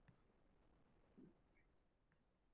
ijodga muhabbat uyg‘otadi, samimiyatga o‘rgatadi.